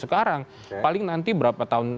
sekarang paling nanti berapa tahun